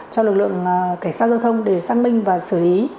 cho lực lượng cảnh sát giao thông để xác minh và xử lý